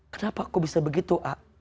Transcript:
kenapa aku bisa begitu